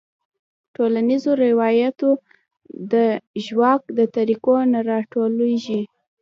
ټولنیزو رواياتو او د ژواک د طريقو نه راټوکيږي -